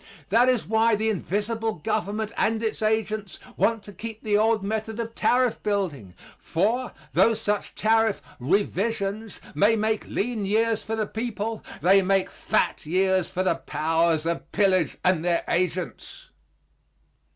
That is why the invisible government and its agents want to keep the old method of tariff building. For, though such tariff "revisions" may make lean years for the people, they make fat years for the powers of pillage and their agents.